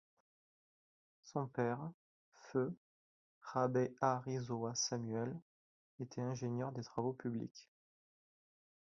Son père, feu Rabeharisoa Samuel, était ingénieur des travaux publics.